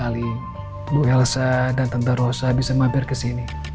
saya senang sekali bu elsa dan tante rosa bisa mampir kesini